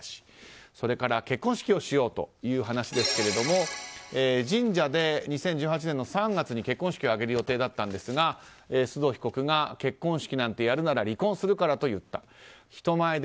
それから、結婚式をしようという話ですが神社で２０１８年３月に結婚式を挙げる予定だったんですが須藤被告が、結婚式なんてやるなら離婚するからと言った。